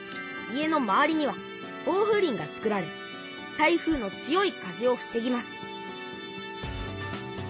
家の周りには防風林がつくられ台風の強い風をふせぎます